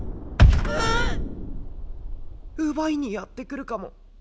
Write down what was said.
奪いにやって来るかも。